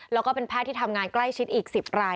แล้วก็เป็นแพทย์ที่ทำงานใกล้ชิดอีก๑๐ราย